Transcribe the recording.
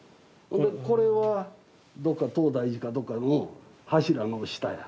これはどっか東大寺かどっかの柱の下や。